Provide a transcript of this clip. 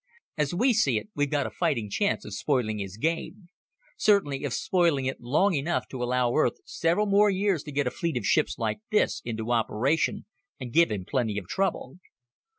As we see it, we've got a fighting chance of spoiling his game. Certainly of spoiling it long enough to allow Earth several more years to get a fleet of ships like this into operation and give him plenty of trouble."